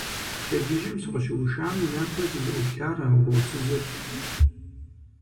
Пщэдджыжьым сыкъыщыушам япэ сызыӀуплъар а угъурсызырщ.